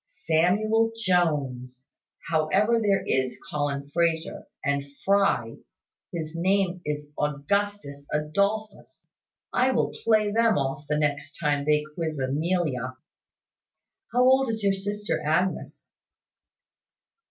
"Samuel Jones. However, there is Colin Frazer and Fry, his name is Augustus Adolphus; I will play them off the next time they quiz Amelia. How old is your sister Agnes?"